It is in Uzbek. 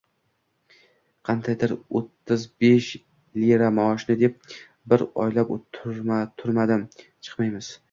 Qandaydir o`ttiz besh lira maoshni deb bir oylab turmadan chiqmaymiz